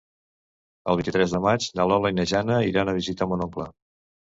El vint-i-tres de maig na Lola i na Jana iran a visitar mon oncle.